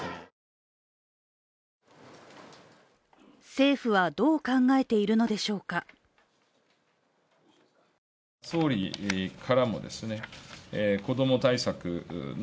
政府はどう考えているのでしょうか。